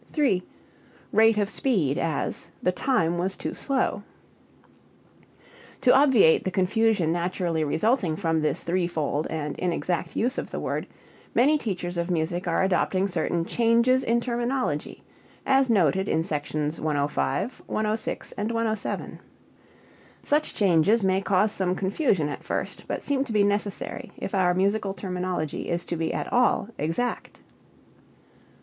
(3) Rate of speed; as "the time was too slow." To obviate the confusion naturally resulting from this three fold and inexact use of the word, many teachers of music are adopting certain changes in terminology as noted in Sections 105, 106, and 107. Such changes may cause some confusion at first, but seem to be necessary if our musical terminology is to be at all exact.